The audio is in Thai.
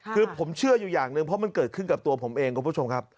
คือผมเชื่ออยู่อย่างหนึ่งเพราะมันเกิดขึ้นกับตัวผมเองคุณผู้ชมครับ